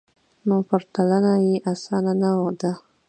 نو پرتلنه یې اسانه نه ده